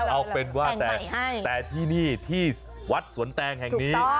เอาเป็นว่าแต่ที่นี่ที่วัดสวนแตงแห่งนี้